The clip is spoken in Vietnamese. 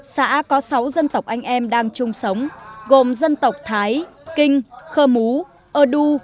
xã có sáu dân tộc anh em đang chung sống gồm dân tộc thái kinh khơ mú ơ đu